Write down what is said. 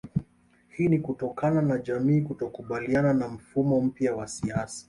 Hii ni kutokana na jamii kutokubaliana na mfumo mpya wa siasa